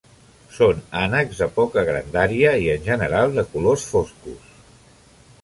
Són ànecs de poca grandària i en general de colors foscos.